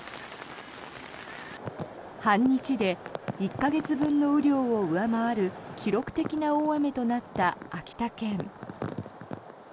半日で１か月分の雨量を上回る記録的な大雨となった秋田県。